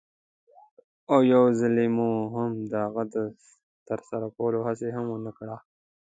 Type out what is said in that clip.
او یوځلې مو هم د هغه د ترسره کولو هڅه هم ونه کړه.